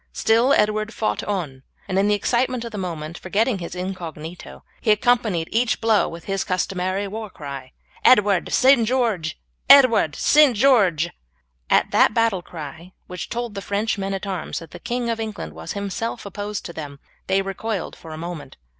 Still Edward fought on, and in the excitement of the moment, forgetting his incognito, he accompanied each blow with his customary war cry "Edward, St. George! Edward, St. George!" At that battle cry, which told the French men at arms that the King of England was himself opposed to them, they recoiled for a moment.